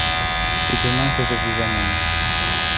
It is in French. C’est demain que je vous amène.